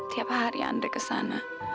tiap hari andri kesana